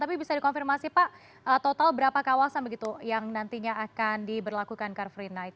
tapi bisa dikonfirmasi pak total berapa kawasan begitu yang nantinya akan diberlakukan car free night